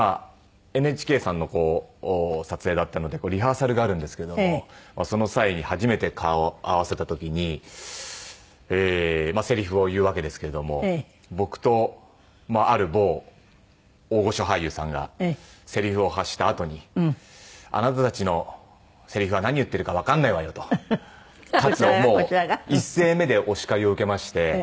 まあＮＨＫさんの撮影だったのでリハーサルがあるんですけどもその際に初めて顔を合わせた時にまあせりふを言うわけですけれども僕とある某大御所俳優さんがせりふを発したあとに「あなたたちのせりふは何言ってるかわかんないわよ」と喝をもう一声目でお叱りを受けまして。